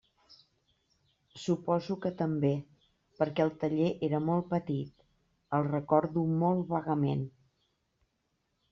Suposo que també perquè el taller era molt petit —el recordo molt vagament.